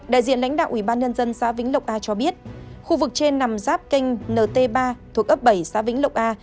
đại diện lãnh đạo ủy ban nhân dân xã vĩnh lộng a cho biết khu vực trên nằm ráp kênh nt ba thuộc ấp bảy xã vĩnh lộng a